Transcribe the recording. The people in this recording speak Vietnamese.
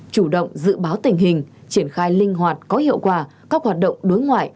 chủ động dự báo tình hình triển khai linh hoạt có hiệu quả các hoạt động đối ngoại